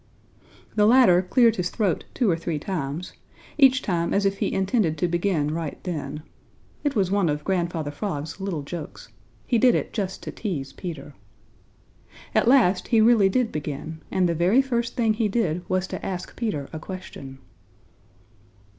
The latter cleared his throat two or three times, each time as if he intended to begin right then. It was one of Grandfather Frog's little jokes. He did it just to tease Peter. At last he really did begin, and the very first thing he did was to ask Peter a question.